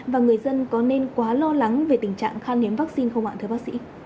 và người dân có nên quá lo lắng về tình trạng khan hiếm vaccine không ạ thưa bác sĩ